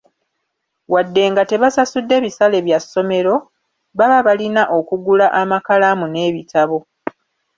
Wadde nga tebasasudde bisale bya ssomero, baba balina okugula amakalaamu n'ebitabo.